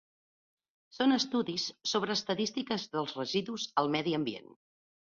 Són estudis sobre estadístiques dels residus al medi ambient.